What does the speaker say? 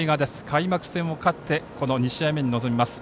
開幕戦を勝ってこの２試合目に臨みます